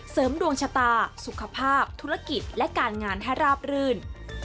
เสริมดวงชะตาสุขภาพธุรกิจและการงานให้ราบรื่น